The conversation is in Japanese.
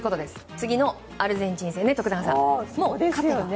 次のアルゼンチン戦で徳永さん、勝てば。